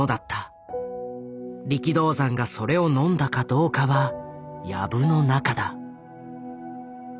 力道山がそれをのんだかどうかは藪の中だ。